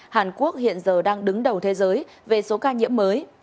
hàn quốc hiện giờ đang đứng đầu thế giới về số ca nhiễm mới